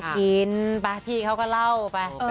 กินพี่เค้าก็เล่าไป